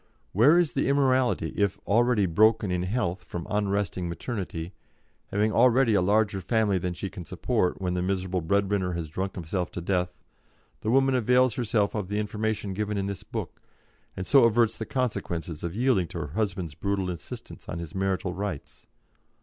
Where is the immorality, if, already broken in health from unresting maternity, having already a larger family than she can support when the miserable breadwinner has drunk himself to death, the woman avails herself of the information given in this book, and so averts the consequences of yielding to her husband's brutal insistence on his marital rights?